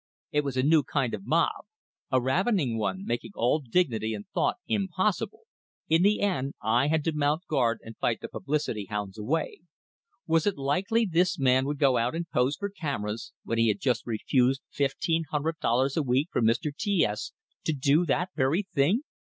It was a new kind of mob a ravening one, making all dignity and thought impossible. In the end I had to mount guard and fight the publicity hounds away. Was it likely this man would go out and pose for cameras, when he had just refused fifteen hundred dollars a week from Mr. T S to do that very thing?